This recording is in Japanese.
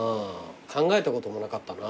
考えたこともなかったな。